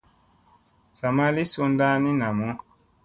Sa ma li sunda ni namu.